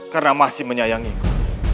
karena masih menyayangiku